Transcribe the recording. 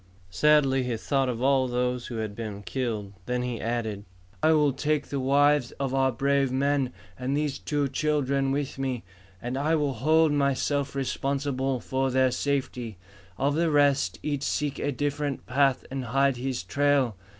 Sadly he thought of all who had been killed. Then he added "I will take the wives of our brave men and these two children with me, and I will hold myself responsible for their safety. Of the rest, each seek a different path and hide his trail.